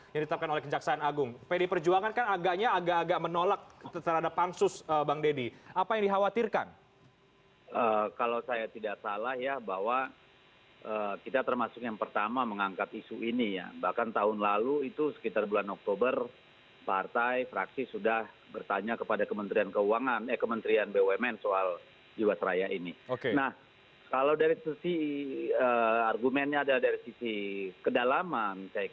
yang dimunculkan dan diharapkan dapat investasi